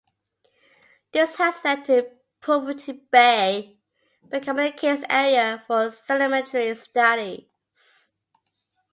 This has led to Poverty Bay becoming a case area for sedimentary studies.